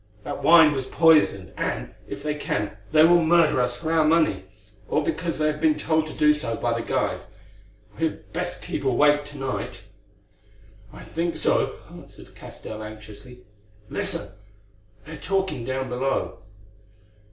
That wine was poisoned, and, if they can, they will murder us for our money—or because they have been told to do so by the guide. We had best keep awake to night." "I think so," answered Castell anxiously. "Listen, they are talking down below."